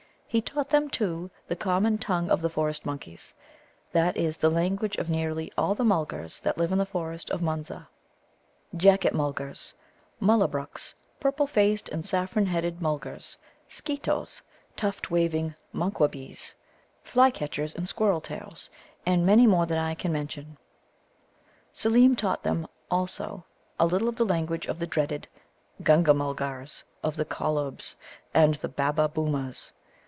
He taught them, too, the common tongue of the Forest monkeys that is the language of nearly all the Mulgars that live in the forests of Munza Jacquet mulgars, Mullabruks, purple faced and saffron headed Mulgars, Skeetoes, tuft waving Manquabees, Fly catchers and Squirrel tails, and many more than I can mention. Seelem taught them also a little of the languages of the dreaded Gunga mulgars, of the Collobs, and the Babbabōōmas.